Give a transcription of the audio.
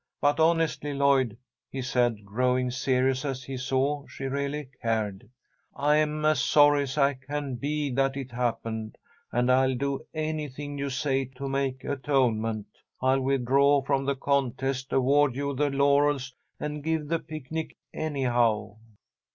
But honestly, Lloyd," he said, growing serious as he saw she really cared, "I'm as sorry as I can be that it happened, and I'll do anything you say to make atonement. I'll withdraw from the contest, award you the laurels, and give the picnic, anyhow."